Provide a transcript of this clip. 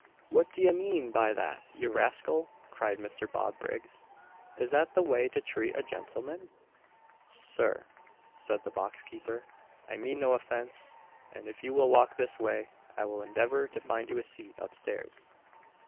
"What d'ye mean by that, ye rascal!" cried Mr. Bob Briggs, "is that the way to treat a gentleman?" "Sir," said the box keeper, "I mean no offence, and if you will walk this way I will endeavour to find you a seat upstairs."